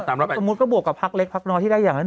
สมมุติก็บวกกับพักเล็กพักน้อยที่ได้อย่างนั้น